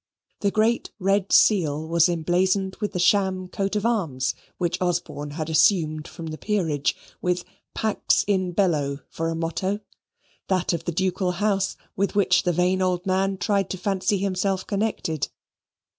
The great red seal was emblazoned with the sham coat of arms which Osborne had assumed from the Peerage, with "Pax in bello" for a motto; that of the ducal house with which the vain old man tried to fancy himself connected.